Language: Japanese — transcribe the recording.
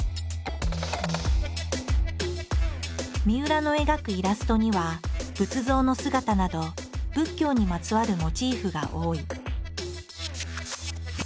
みうらの描くイラストには仏像の姿など仏教にまつわるモチーフが多い。